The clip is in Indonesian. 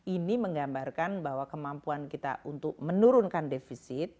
ini menggambarkan bahwa kemampuan kita untuk menurunkan defisit